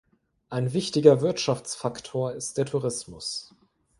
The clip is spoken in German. Ein wichtiger Wirtschaftsfaktor ist der Tourismus.